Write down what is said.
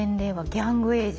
ギャングエイジ。